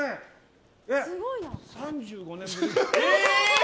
３５年ぶり。